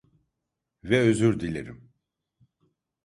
Ve özür dilerim.